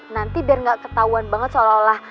nanti biar nggak ketahuan banget seolah olah